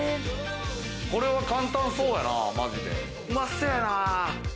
これは簡単そうやな、マジで。